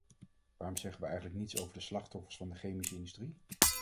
Waarom zeggen we eigenlijk niets over de slachtoffers van de chemische industrie?